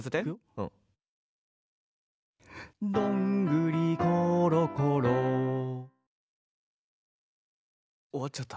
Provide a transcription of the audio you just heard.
「どんぐりころころ」終わっちゃった。